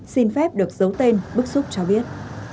xin phép được giấu tên bức xúc cho biết